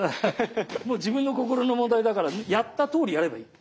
もう自分の心の問題だからやったとおりやればいい。